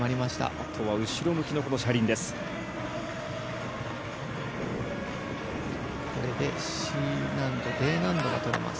あとは後ろ向きの車輪です。